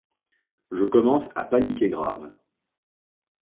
Je commence à paniquer grave.